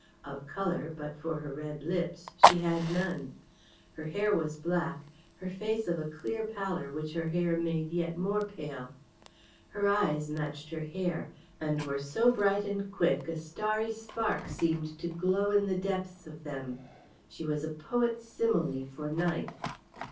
Of colour, but for her red lips, she had none. Her hair was black, her face of a clear pallor which her hair made yet more pale. Her eyes matched her hair, and were so bright and quick a starry spark seemed to glow in the depths of them. She was a poet's simile for night.